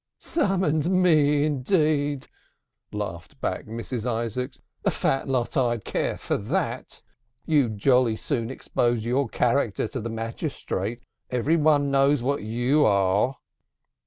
"Summons me, indeed," laughed back Mrs. Isaacs. "A fat lot I'd care for that. You'd jolly soon expose your character to the magistrate. Everybody knows what you are."